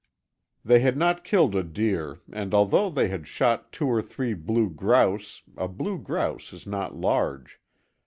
They had not killed a deer and although they had shot two or three blue grouse a blue grouse is not large.